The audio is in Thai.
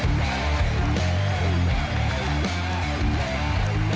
รอบแล้วก็รอบแล้ว